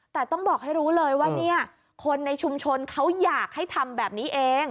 แต่ต้องบอกให้รู้เลยว่าเนี่ยคนในชุมชนเขาอยากให้ทำแบบนี้เอง